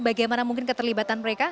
bagaimana mungkin keterlibatan mereka